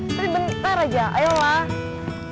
tapi bentar aja ayolah